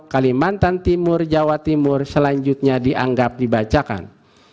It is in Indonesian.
kalimantan timur jawa timur selanjutnya dianggap dibacakan